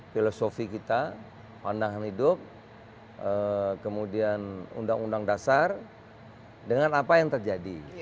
filosofi kita pandangan hidup kemudian undang undang dasar dengan apa yang terjadi